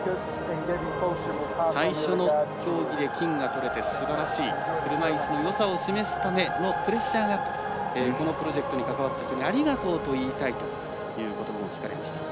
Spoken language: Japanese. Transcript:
最初の競技で金が取れてすばらしい、車いすのよさを示すためというこのプロジェクトに関わった人にありがとうと言いたいということばも聞かれました。